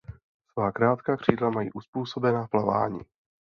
Svá krátká křídla mají uzpůsobena plavání.